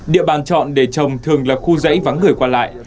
địa bàn chọn để trồng thường là khu dãy vắng người qua lại